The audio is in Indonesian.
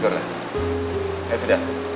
biar bapak sembuh ke rumah